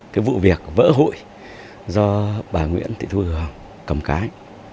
cái vụ việc vỡ hội do bà nguyễn thị thu hường cầm cái